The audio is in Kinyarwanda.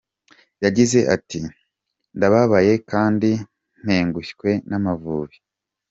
Yagize ati “Ndababaye kandi ntengushywe n’Amavubi.